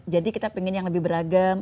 jadi kita ingin yang lebih beragam